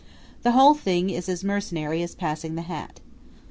The whole thing is as mercenary as passing the hat.